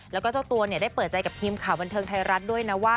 แล้วก็เจ้าตัวได้เปิดใจกับทีมข่าวบันเทิงไทยรัฐด้วยนะว่า